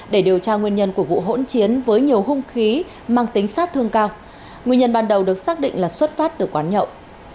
để điều tra nguyên nhân của vụ hỗn chiến với nhiều hung khí mang tính sát thương cao nguyên nhân ban đầu được xác định là xuất phát từ quán nhậu